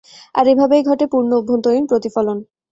আর এভাবেই ঘটে পূর্ণ অভ্যন্তরীণ প্রতিফলন।